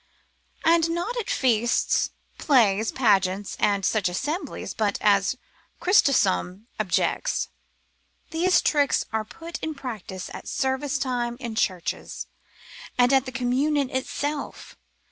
And not at feasts, plays, pageants, and such assemblies, but as Chrysostom objects, these tricks are put in practice at service time in churches, and at the communion itself.